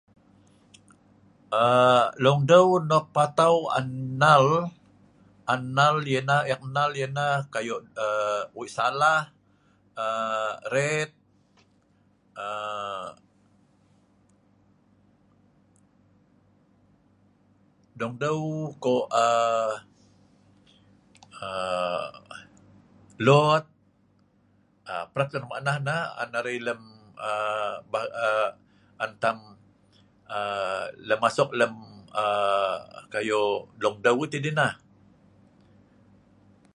Lungdeu nok patau an ek nnal yah nah wei salah, ret, dungdeu kok load, parab tah maknah an masuk lem kuayo lungdeu tah deh nah